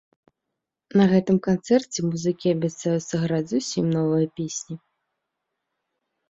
На гэтым канцэрце музыкі абяцаюць сыграць зусім новыя песні.